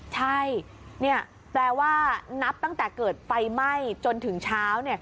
ใช่แปลว่านับตั้งแต่เกิดไฟไหม้จนถึงเช้า